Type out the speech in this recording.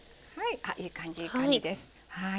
あいい感じいい感じです。